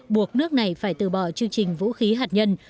buộc nước này phải từ bỏ chương trình vũ khí hạt nhân